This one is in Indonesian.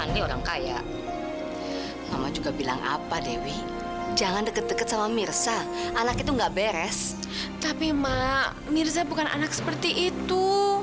tapi mak mirza bukan anak seperti itu